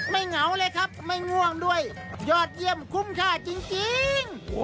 เหงาเลยครับไม่ง่วงด้วยยอดเยี่ยมคุ้มค่าจริง